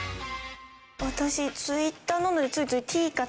私「Ｔｗｉｔｔｅｒ」なのでついつい「Ｔ」かと。